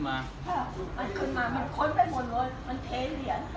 สวัสดีทุกคน